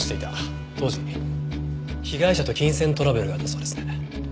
当時被害者と金銭トラブルがあったそうですね。